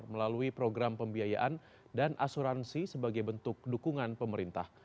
melalui program pembiayaan dan asuransi sebagai bentuk dukungan pemerintah